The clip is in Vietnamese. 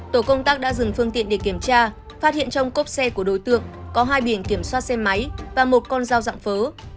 tổ công tác đã dừng phương tiện để kiểm tra phát hiện trong cốp xe của đối tượng có hai biển kiểm soát xe máy và một con dao dạng phớ